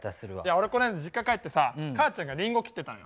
俺この間実家帰ってさ母ちゃんがりんご切ってたのよ。